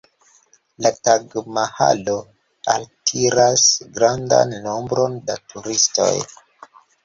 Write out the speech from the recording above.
La Taĝ-Mahalo altiras grandan nombron da turistoj.